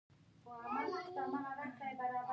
آزاد تجارت مهم دی ځکه چې کتابونه خپروي.